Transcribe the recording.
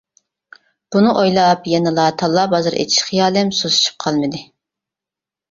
بۇنى ئويلاپ يەنىلا تاللا بازىرى ئېچىش خىيالىم سۇسلىشىپ قالمىدى.